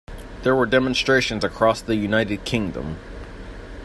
There were demonstrations across the United Kingdom.